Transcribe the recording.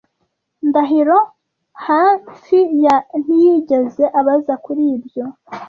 Ndahiro hafi ya ntiyigeze abaza kuri ibyo